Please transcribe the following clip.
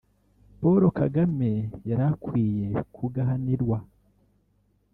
Paul Kagame yarakwiye kugahanirwa